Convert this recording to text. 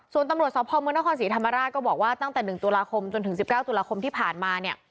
ส่วนตำรวจสพเมืองนครศรีธรรมราชก็บอกว่าตั้งแต่๑ตุลาคมจนถึง๑๙ตุลาคมที่ผ่านมาเนี่ย